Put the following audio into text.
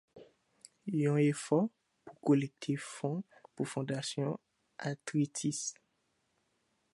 yon efò pou kolekte fon pou fondasyon Arthritis